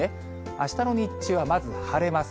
あしたの日中はまず晴れます。